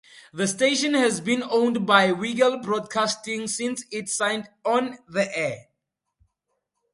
The station has been owned by Weigel Broadcasting since it signed on the air.